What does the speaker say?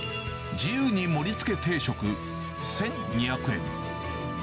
自由に盛り付け定食１２００円。